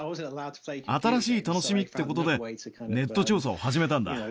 新しい楽しみっていうことで、ネット調査を始めたんだ。